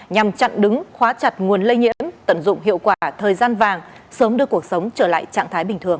nhằm chặn đứng khóa chặt nguồn lây nhiễm tận dụng hiệu quả thời gian vàng sớm đưa cuộc sống trở lại trạng thái bình thường